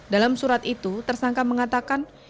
dalam surat itu tersangka mengatakan